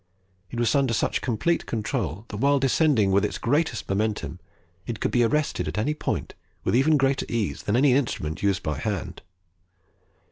It was under such complete control that while descending with its greatest momentum, it could be arrested at any point with even greater ease than any instrument used by hand.